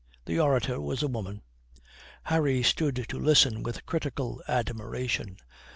The orator was a woman. Harry stood to listen with critical admiration.